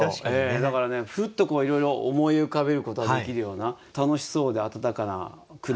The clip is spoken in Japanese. だからねふっといろいろ思い浮かべることができるような楽しそうで温かな句だなと思いました。